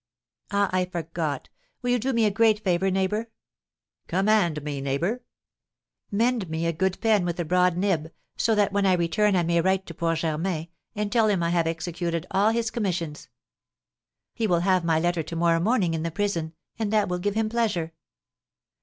Ah, I forgot! Will you do me a great favour, neighbour?" "Command me, neighbour." "Mend me a good pen, with a broad nib, so that when I return I may write to poor Germain, and tell him I have executed all his commissions. He will have my letter to morrow morning in the prison, and that will give him pleasure."